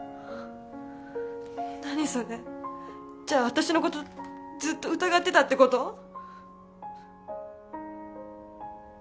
じゃあ私のことずっと疑ってたってこと？